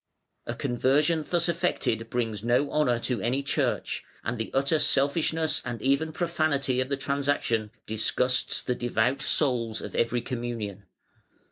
A conversion thus effected brings no honour to any church, and the utter selfishness and even profanity of the transaction disgusts the devout souls of every communion.